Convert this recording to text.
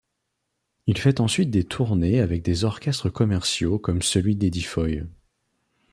Il fait ensuite des tournées avec des orchestres commerciaux comme celui d'Eddie Foy.